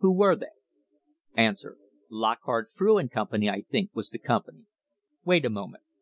\Jho were they ? A. Lockhart, Frew and Company, I think, was the company. Wait a moment.